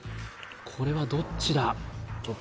これはどっちだ？